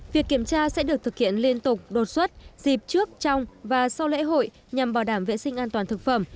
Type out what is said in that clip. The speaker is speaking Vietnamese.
việc kiểm tra sẽ được thực hiện liên tục đột xuất dịp trước trong và sau lễ hội nhằm bảo đảm vệ sinh an toàn thực phẩm